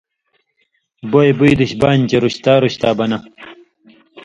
بوئے بُوئ دِش بانیۡ چے رُشتا رُشتا بنہ